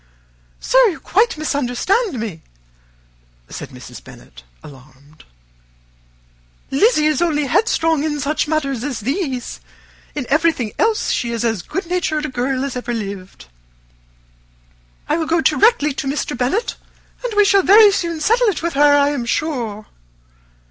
"Sir, you quite misunderstand me," said Mrs. Bennet, alarmed. "Lizzy is only headstrong in such matters as these. In everything else she is as good natured a girl as ever lived. I will go directly to Mr. Bennet, and we shall very soon settle it with her, I am sure."